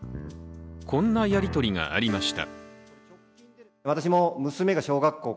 こんなやり取りがありました。